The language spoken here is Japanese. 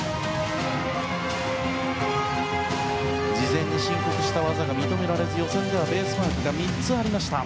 事前に申告した技が認められず予選ではベースマークが３つありました。